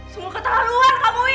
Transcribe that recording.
semua ketahuan kamu wi